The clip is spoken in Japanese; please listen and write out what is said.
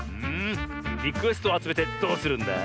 リクエストをあつめてどうするんだ？